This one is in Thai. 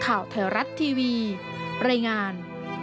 ข่าวแถวรัฐทีวีรายงาน